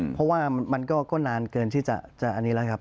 เพราะว่ามันก็นานเกินที่จะอันนี้แล้วครับ